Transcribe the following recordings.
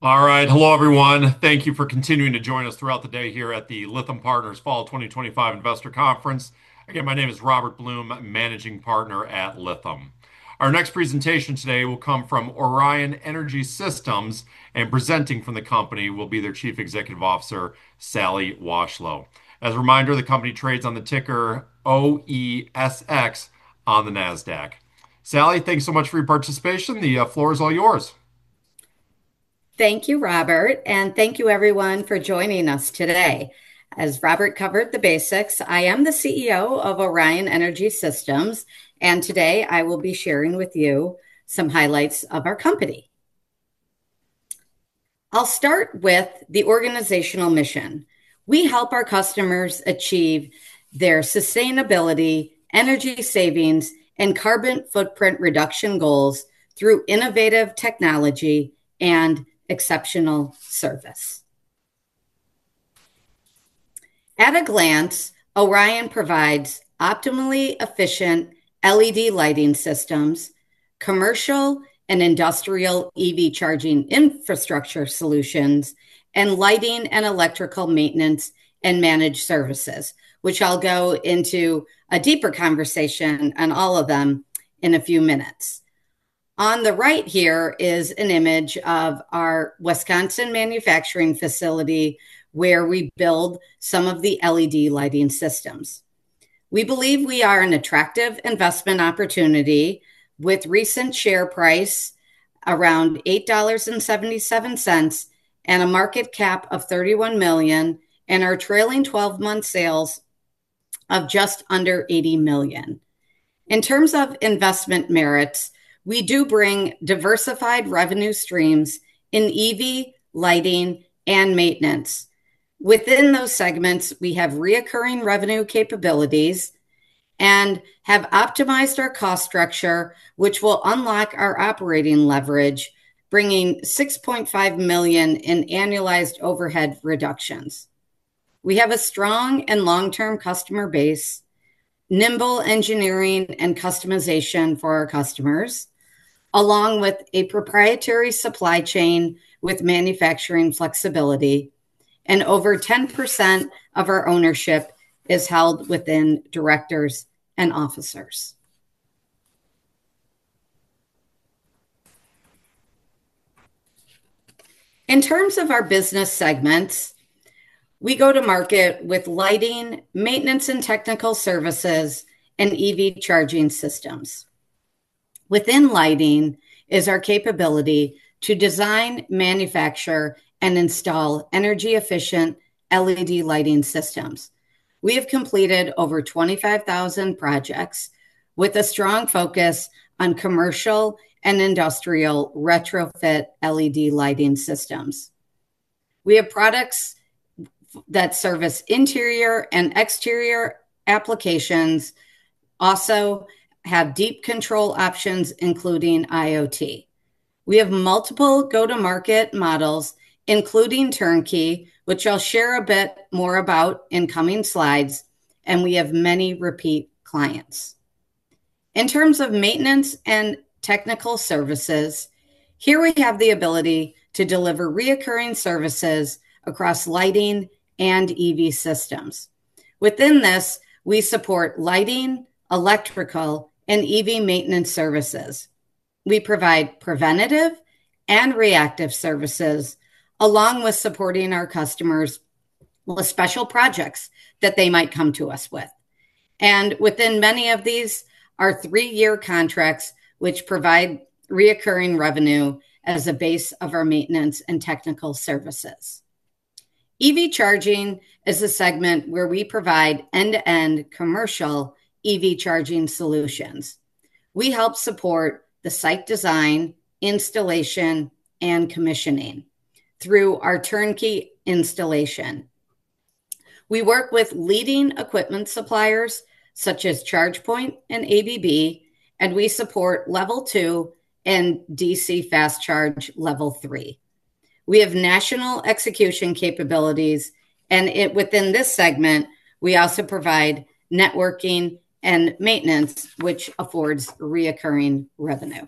All right. Hello, everyone. Thank you for continuing to join us throughout the day here at the Lithium Partners Fall 2025 Investor Conference. Again, my name is Robert Bloom, Managing Partner at Lithium. Our next presentation today will come from Orion Energy Systems, and presenting from the company will be their Chief Executive Officer, Sally Washlow. As a reminder, the company trades on the ticker OESX on the Nasdaq. Sally, thanks so much for your participation. The floor is all yours. Thank you, Robert, and thank you, everyone, for joining us today. As Robert covered the basics, I am the CEO of Orion Energy Systems, and today I will be sharing with you some highlights of our company. I'll start with the organizational mission. We help our customers achieve their sustainability, energy savings, and carbon footprint reduction goals through innovative technology and exceptional service. At a glance, Orion provides optimally efficient LED lighting systems, commercial and industrial EV charging infrastructure solutions, and lighting and electrical maintenance and managed services, which I'll go into a deeper conversation on all of them in a few minutes. On the right here is an image of our Wisconsin manufacturing facility where we build some of the LED lighting systems. We believe we are an attractive investment opportunity with recent share price around $8.77 and a market cap of $31 million and our trailing 12-month sales of just under $80 million. In terms of investment merits, we do bring diversified revenue streams in EV, lighting, and maintenance. Within those segments, we have recurring revenue capabilities and have optimized our cost structure, which will unlock our operating leverage, bringing $6.5 million in annualized overhead reductions. We have a strong and long-term customer base, nimble engineering and customization for our customers, along with a proprietary supply chain with manufacturing flexibility, and over 10% of our ownership is held within directors and officers. In terms of our business segments, we go to market with lighting, maintenance and technical services, and EV charging systems. Within lighting is our capability to design, manufacture, and install energy-efficient LED lighting systems. We have completed over 25,000 projects with a strong focus on commercial and industrial retrofit LED lighting systems. We have products that service interior and exterior applications, also have deep control options, including IoT. We have multiple go-to-market models, including turnkey, which I'll share a bit more about in coming slides, and we have many repeat clients. In terms of maintenance and technical services, here we have the ability to deliver recurring services across lighting and EV systems. Within this, we support lighting, electrical, and EV maintenance services. We provide preventative and reactive services, along with supporting our customers with special projects that they might come to us with. Within many of these are three-year contracts, which provide recurring revenue as a base of our maintenance and technical services. EV charging is a segment where we provide end-to-end commercial EV charging solutions. We help support the site design, installation, and commissioning through our turnkey installation. We work with leading equipment suppliers such as ChargePoint and ABB, and we support Level 2 and DC Fast Charge Level 3. We have national execution capabilities, and within this segment, we also provide networking and maintenance, which affords recurring revenue.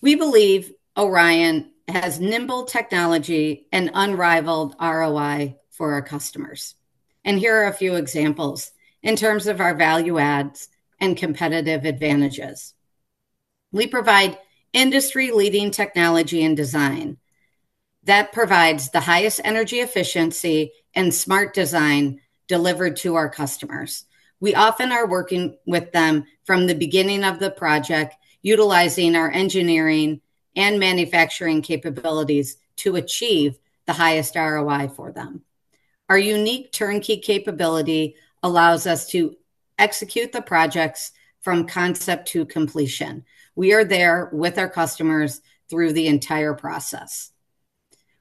We believe Orion has nimble technology and unrivaled ROI for our customers. Here are a few examples in terms of our value-adds and competitive advantages. We provide industry-leading technology and design that provides the highest energy efficiency and smart design delivered to our customers. We often are working with them from the beginning of the project, utilizing our engineering and manufacturing capabilities to achieve the highest ROI for them. Our unique turnkey capability allows us to execute the projects from concept to completion. We are there with our customers through the entire process.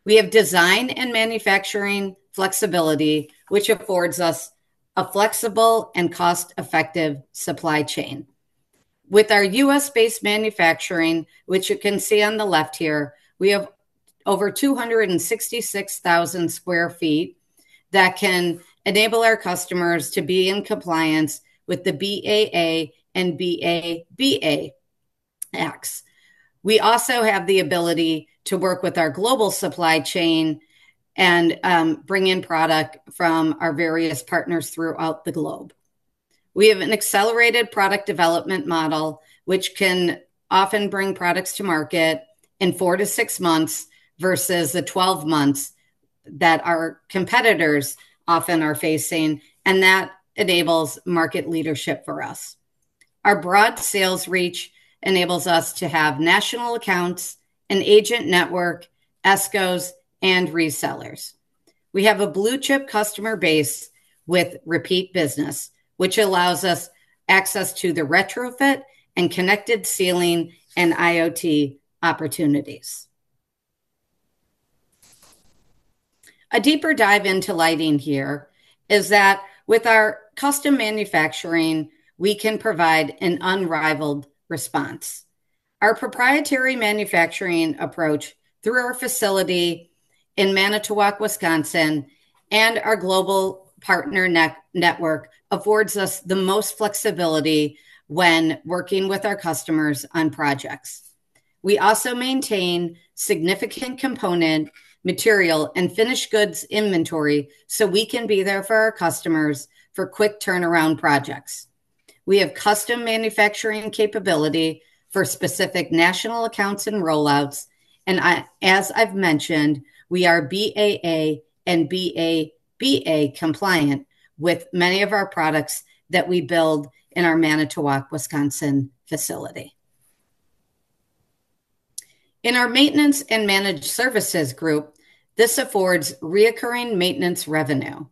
We have design and manufacturing flexibility, which affords us a flexible and cost-effective supply chain. With our US-based manufacturing, which you can see on the left here, we have over 266,000 sq ft that can enable our customers to be in compliance with the BAA and BABA. We also have the ability to work with our global supply chain and bring in product from our various partners throughout the globe. We have an accelerated product development model, which can often bring products to market in four to six months versus the 12 months that our competitors often are facing, and that enables market leadership for us. Our broad sales reach enables us to have national accounts, an agent network, ESCOs, and resellers. We have a blue-chip customer base with repeat business, which allows us access to the retrofit and connected ceiling and IoT opportunities. A deeper dive into lighting here is that with our custom manufacturing, we can provide an unrivaled response. Our proprietary manufacturing approach through our facility in Manitowoc, Wisconsin, and our global partner network affords us the most flexibility when working with our customers on projects. We also maintain a significant component, material, and finished goods inventory so we can be there for our customers for quick turnaround projects. We have custom manufacturing capability for specific national accounts and rollouts, and as I've mentioned, we are BAA and BABA compliant with many of our products that we build in our Manitowoc, Wisconsin facility. In our maintenance and managed services group, this affords recurring maintenance revenue.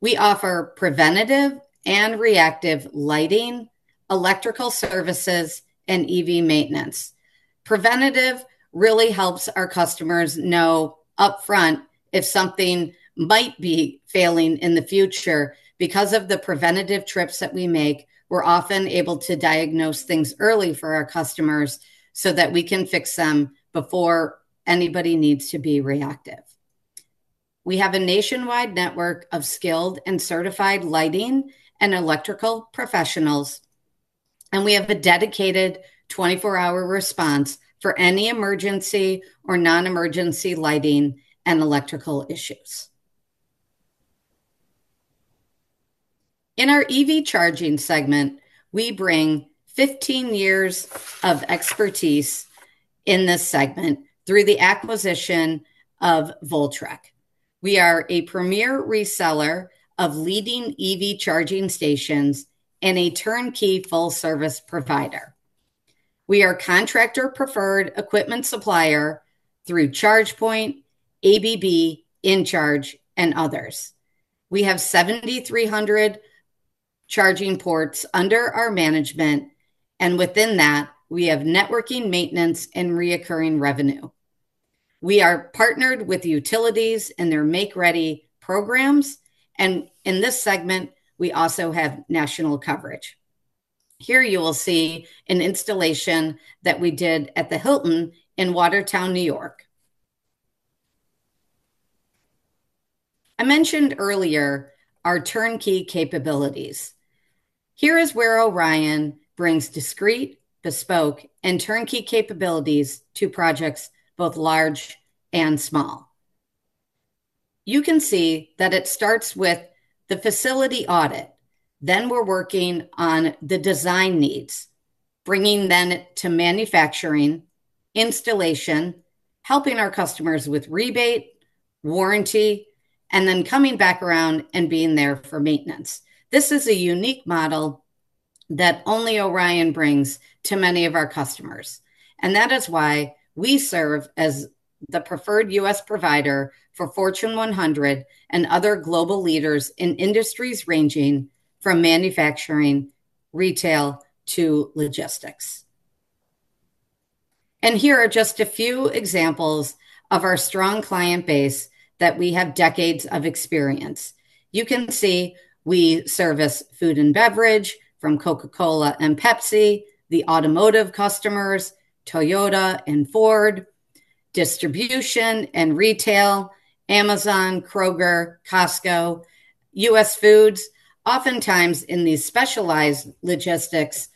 We offer preventative and reactive lighting, electrical services, and EV maintenance. Preventative really helps our customers know upfront if something might be failing in the future because of the preventative trips that we make. We're often able to diagnose things early for our customers so that we can fix them before anybody needs to be reactive. We have a nationwide network of skilled and certified lighting and electrical professionals, and we have a dedicated 24-hour response for any emergency or non-emergency lighting and electrical issues. In our EV charging segment, we bring 15 years of expertise in this segment through the acquisition of Voltrek. We are a premier reseller of leading EV charging stations and a turnkey full-service provider. We are a contractor-preferred equipment supplier through ChargePoint, ABB, InCharge, and others. We have 7,300 charging ports under our management, and within that, we have networking, maintenance, and recurring revenue. We are partnered with utilities in their Make Ready programs, and in this segment, we also have national coverage. Here you will see an installation that we did at the Hilton in Watertown, New York. I mentioned earlier our turnkey capabilities. Here is where Orion brings discreet, bespoke, and turnkey capabilities to projects both large and small. You can see that it starts with the facility audit. We're working on the design needs, bringing them to manufacturing, installation, helping our customers with rebate, warranty, and then coming back around and being there for maintenance. This is a unique model that only Orion brings to many of our customers, and that is why we serve as the preferred U.S. provider for Fortune 100 and other global leaders in industries ranging from manufacturing, retail, to logistics. Here are just a few examples of our strong client base that we have decades of experience. You can see we service food and beverage from Coca-Cola and Pepsi, the automotive customers, Toyota and Ford, distribution and retail, Amazon, Kroger, Costco, US Foods. Oftentimes in these specialized logistics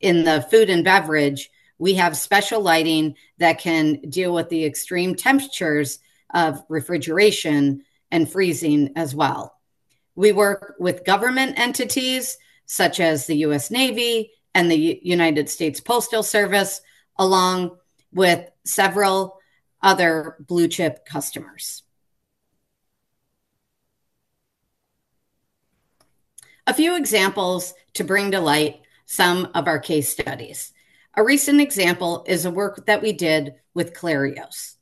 in the food and beverage, we have special lighting that can deal with the extreme temperatures of refrigeration and freezing as well. We work with government entities such as the US Navy and the United States Postal Service, along with several other blue-chip customers. A few examples to bring to light some of our case studies. A recent example is a work that we did with Clareos.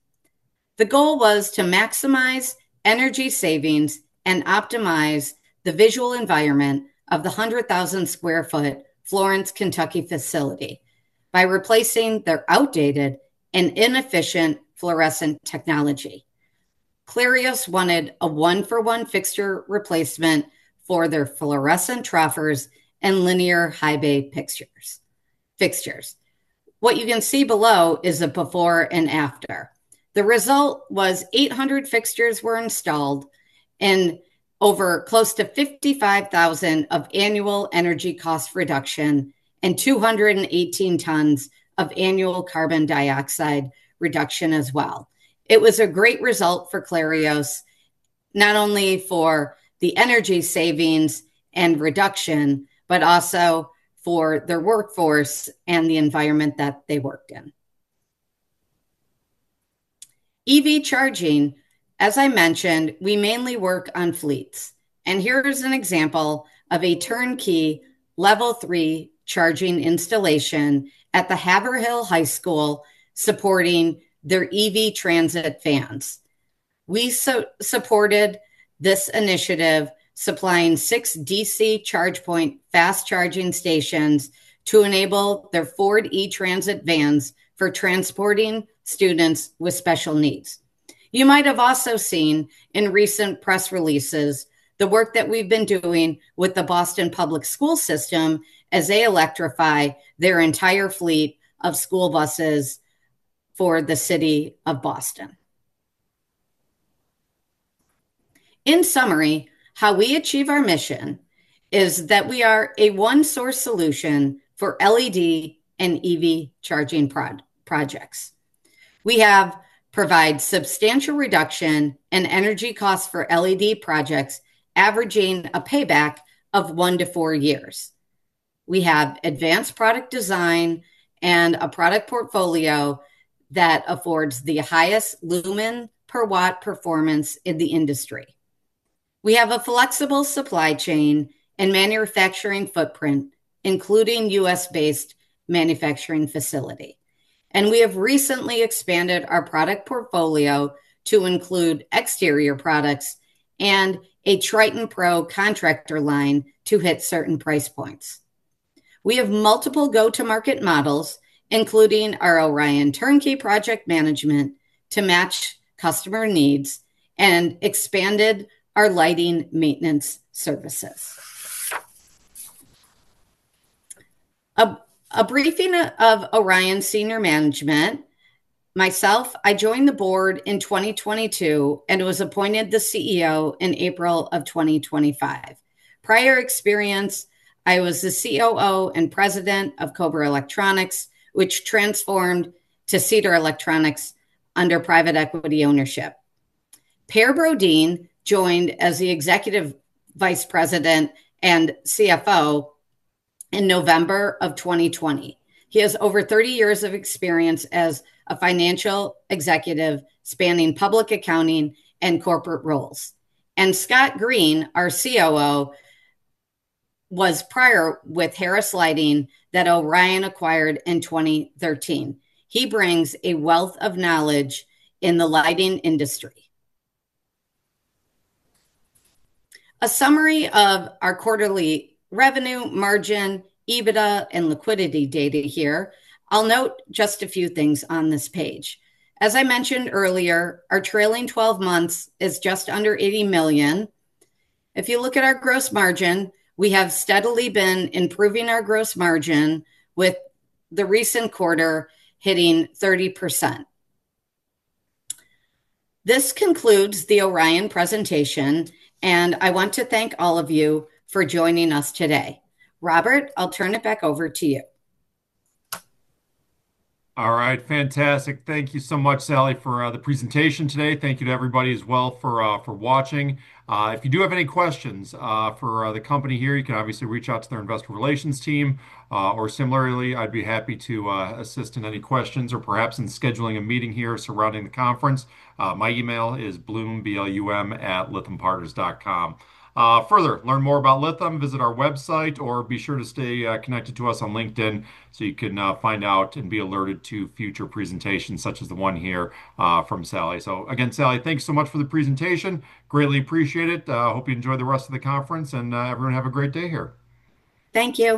The goal was to maximize energy savings and optimize the visual environment of the 100,000 sq ft Florence, Kentucky facility by replacing their outdated and inefficient fluorescent technology. Clareos wanted a one-for-one fixture replacement for their fluorescent troffers and linear high bay fixtures. What you can see below is a before and after. The result was 800 fixtures were installed and over close to $55,000 of annual energy cost reduction and 218 tons of annual carbon dioxide reduction as well. It was a great result for Clareos, not only for the energy savings and reduction, but also for their workforce and the environment that they worked in. EV charging, as I mentioned, we mainly work on fleets, and here is an example of a turnkey Level 3 charging installation at the Haverhill High School supporting their EV transit vans. We supported this initiative supplying six DC ChargePoint fast charging stations to enable their Ford E-Transit vans for transporting students with special needs. You might have also seen in recent press releases the work that we've been doing with the Boston Public Schools system as they electrify their entire fleet of school buses for the city of Boston. In summary, how we achieve our mission is that we are a one-source solution for LED lighting and EV charging projects. We have provided substantial reduction in energy costs for LED projects, averaging a payback of one to four years. We have advanced product design and a product portfolio that affords the highest lumen per watt performance in the industry. We have a flexible supply chain and manufacturing footprint, including a US-based manufacturing facility, and we have recently expanded our product portfolio to include exterior products and a Triton Pro contractor line to hit certain price points. We have multiple go-to-market models, including our Orion turnkey project management to match customer needs and expanded our lighting maintenance services. A briefing of Orion Senior Management. Myself, I joined the board in 2022 and was appointed the CEO in April of 2025. Prior experience, I was the COO and President of Cobra Electronics, which transformed to Cedar Electronics under private equity ownership. Per Brodin joined as the Executive Vice President and CFO in November of 2020. He has over 30 years of experience as a financial executive spanning public accounting and corporate roles. Scott Green, our COO, was prior with Harris Lighting that Orion acquired in 2013. He brings a wealth of knowledge in the lighting industry. A summary of our quarterly revenue, margin, EBITDA, and liquidity data here. I'll note just a few things on this page. As I mentioned earlier, our trailing 12 months is just under $80 million. If you look at our gross margin, we have steadily been improving our gross margin with the recent quarter hitting 30%. This concludes the Orion presentation, and I want to thank all of you for joining us today. Robert, I'll turn it back over to you. All right. Fantastic. Thank you so much, Sally, for the presentation today. Thank you to everybody as well for watching. If you do have any questions for the company here, you can obviously reach out to their investor relations team, or similarly, I'd be happy to assist in any questions or perhaps in scheduling a meeting here surrounding the conference. My email is blum@lithiumpartners.com. Further, learn more about Lithium, visit our website, or be sure to stay connected to us on LinkedIn so you can find out and be alerted to future presentations such as the one here from Sally. Again, Sally, thanks so much for the presentation. Greatly appreciate it. Hope you enjoy the rest of the conference, and everyone have a great day here. Thank you.